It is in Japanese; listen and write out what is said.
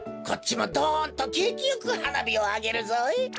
こっちもドンとけいきよくはなびをあげるぞ！